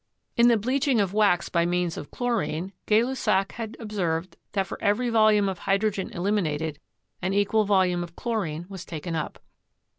In the bleaching of wax by means of chlorine, Gay Lussac had observed that for every volume of hydrogen eliminated, an equal volume of chlorine was taken up.